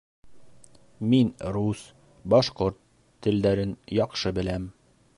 Мин рус, башҡорт телдәрен яҡшы беләм.